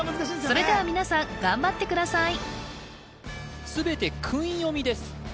それでは皆さん頑張ってください全て訓読みです